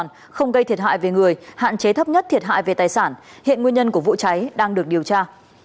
nguyên nhân của vụ cháy đang được điều tra